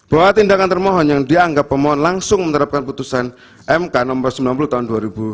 bahwa tindakan termohon yang dianggap pemohon langsung menerapkan putusan mk no sembilan puluh tahun dua ribu sembilan belas